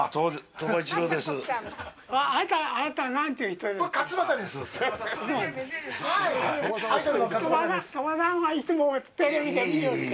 鳥羽さんは、いつもテレビで見よって。